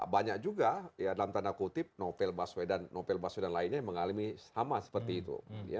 banyak juga ya dalam tanda kutip novel baswedan novel baswedan lainnya yang mengalami sama seperti itu